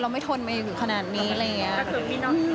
เราไม่ทนมาอยู่ขนาดนี้อะไรอย่างนี้